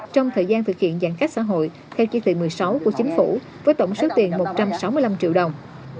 trong thời gian thực hiện giãn cách xã hội theo chỉ thị một mươi sáu của chính phủ với tổng số tiền một trăm sáu mươi năm triệu đồng